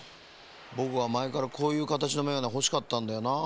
ぼくはまえからこういうかたちのメガネほしかったんだよなあ。